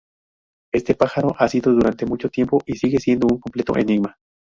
Este pájaro ha sido durante mucho tiempo y sigue siendo un completo enigma.